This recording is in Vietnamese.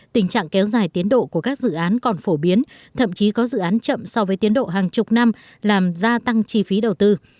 tình trạng kéo dài tiến độ của các dự án còn phổ biến thậm chí có dự án chậm so với tiến độ hàng chục năm làm gia tăng chi phí đầu tư